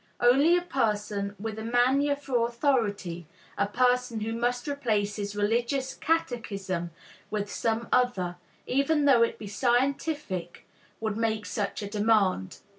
Only a person with a mania for authority, a person who must replace his religious catechism with some other, even though it be scientific, would make such a demand.